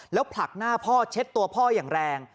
แล้วผลักหน้าพ่อเช็ดตัวพ่ออย่างแรง